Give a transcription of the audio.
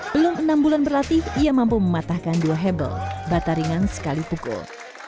belum enam bulan berlatih ia mampu mematahkan dua hebel bataringan sekali pukul